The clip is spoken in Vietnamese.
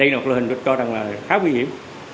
đây là một loại hình được cho rằng khá nguy hiểm